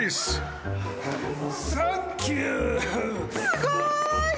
すごい。